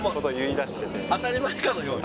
当たり前かのように？